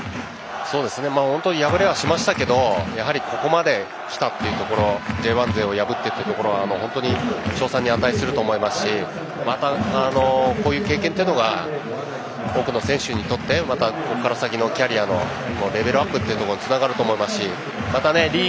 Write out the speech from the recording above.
本当に敗れはしましたけどここまで来たというところＪ１勢を破ってというのは本当に賞賛に値すると思いますしまたこういう経験というのが多くの選手にとってまたここから先のキャリアのレベルアップにつながると思います。